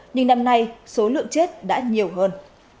nhưng năm nay số lượng chết đã nhiều hơn